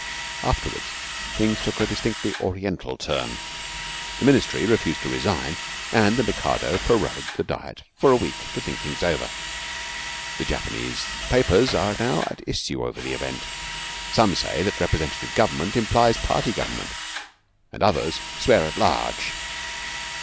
Afterwards, things took a distinctly Oriental turn. The Ministry refused to resign, and the Mikado prorogued the Diet for a week to think things over. The Japanese papers are now at issue over the event. Some say that representative government implies party government, and others swear at large.